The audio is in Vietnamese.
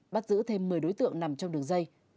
bắt giữ thêm một mươi đối tượng nằm trong đường dây